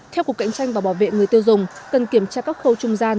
theo cục cạnh tranh và bảo vệ người tiêu dùng cần kiểm tra các khâu trung gian